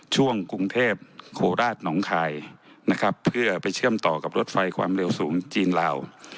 ช่วงกรุงเทพโคราชหนองคายนะครับเพื่อไปเชื่อมต่อกับรถไฟความเร็วสูงจีนลาว